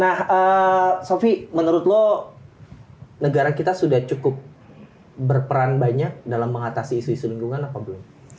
nah sofi menurut lo negara kita sudah cukup berperan banyak dalam mengatasi isu isu lingkungan apa belum